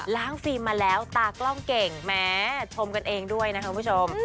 ล้างฟินมาแล้วตากล้องเก่งแหมชมกันเองด้วยนะคุณผู้ชม